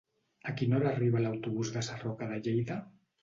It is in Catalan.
A quina hora arriba l'autobús de Sarroca de Lleida?